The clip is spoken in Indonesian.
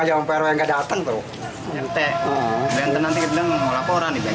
yang bapak tahu di tempat ini ada berapa orang pak